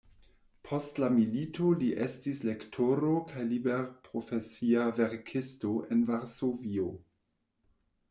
Post la milito li estis lektoro kaj liberprofesia verkisto en Varsovio.